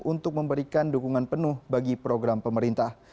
untuk memberikan dukungan penuh bagi program pemerintah